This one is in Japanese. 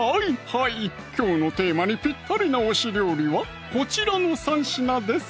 はいきょうのテーマにぴったりな推し料理はこちらの３品です